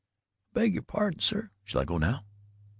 "I beg your pardon, sir. Shall I go now?"